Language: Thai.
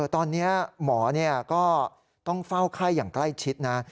ตอนนี้หมอก็ต้องเฝ้าไข้อย่างใกล้ชิดนะ